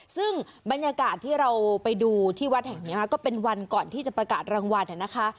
ซึ่งบรรยากาศที่เราไปดูที่วัดแห่งนี้ก็เป็นวันก่อนที่จะประกาศรางวัลนะคะ